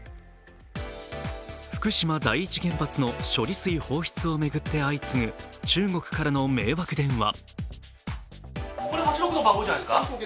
福島第一原発の処理水放出を巡って相次ぐ中国からの迷惑電話。